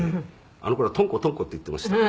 「あの頃はトンコトンコって言っていましたから」